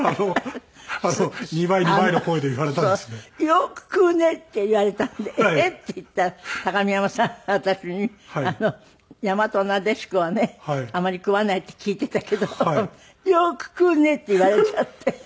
「よく食うね」って言われたんで「えっ？」って言ったら高見山さんが私に「やまとなでしこはねあまり食わないって聞いてたけどよく食うね」って言われちゃって。